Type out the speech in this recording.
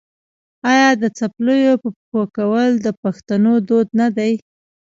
آیا د څپلیو په پښو کول د پښتنو دود نه دی؟